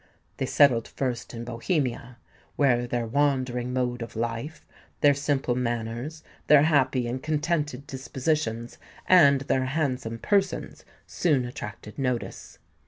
They settled first in Bohemia, where their wandering mode of life, their simple manners, their happy and contented dispositions, and their handsome persons soon attracted notice.